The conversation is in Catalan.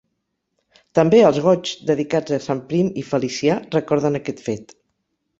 També els Goigs dedicats a Sant Prim i Felicià recorden aquest fet.